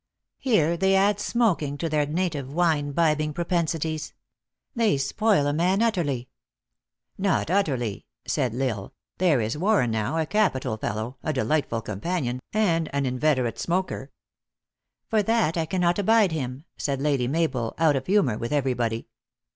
Here they add smok ing to their native wine bibbing propensities. They spoil a man utterly." " Not utterly," said L Isle ;" there is Warren now, a capital fellow, a delightful companion, and an in veterate smoker." " For that I cannot abide him," said Lady Mabel, out of humor with everybody.